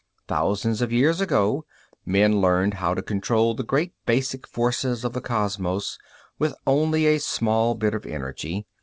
Thousands of years ago, men learned how to control the great basic forces of the cosmos with only a small bit of energy.